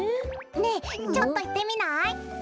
ねえちょっといってみない？